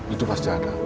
itu pasti ada